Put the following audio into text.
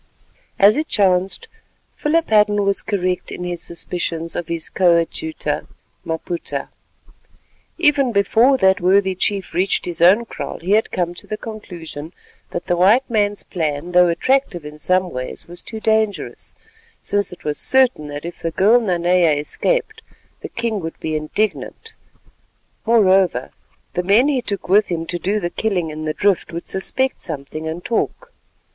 As it chanced, Philip Hadden was correct in his suspicions of his coadjutor, Maputa. Even before that worthy chief reached his own kraal, he had come to the conclusion that the white man's plan, though attractive in some ways, was too dangerous, since it was certain that if the girl Nanea escaped, the king would be indignant. Moreover, the men he took with him to do the killing in the drift would suspect something and talk.